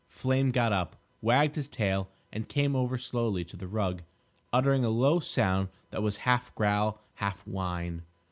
Flame got up, wagged his tail, and came over slowly to the rug, uttering a low sound that was half growl, half whine.